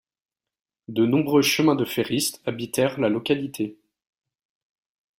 De nombreux chemin-de-ferristes habitèrent la localité.